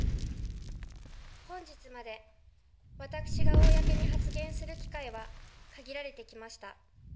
本日まで、私が公に発言する機会は限られてきました。